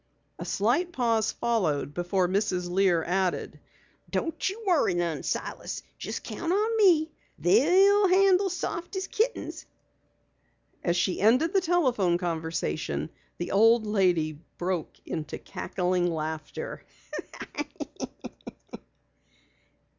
A slight pause followed before Mrs. Lear added: "Don't you worry none, Silas. Just count on me! They'll handle soft as kittens!" And as she ended the telephone conversation, the old lady broke into cackling laughter.